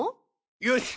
よし！